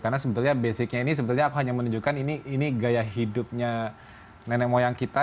karena sebetulnya basicnya ini sebetulnya aku hanya menunjukkan ini gaya hidupnya nenek moyang kita